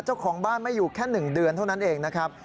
เจ้าของบ้านไม่อยู่แค่๑เดือนเท่านั้นเองนะครับ